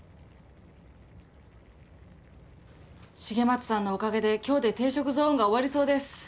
重松さんのおかげで今日で定食ゾーンが終わりそうです。